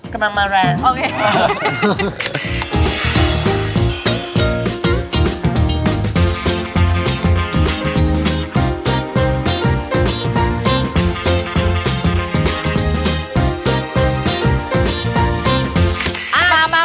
กำลังมาแรง